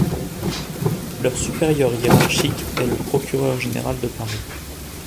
Leur supérieur hiérarchique est le procureur général de Paris.